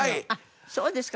そうですか。